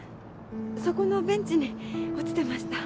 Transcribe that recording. そこのベンチに落ちてました。